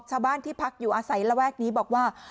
ชาวบ้านที่พักอยู่อาศัยระแวกนี้บอกว่า